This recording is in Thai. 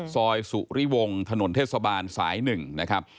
ซอยสุริวงศ์ถนนเทศบาลสาย๑นะครับ